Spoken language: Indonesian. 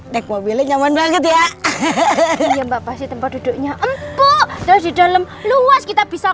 nek mobilnya nyaman banget ya hahaha tempat duduknya empuk dan di dalam luas kita bisa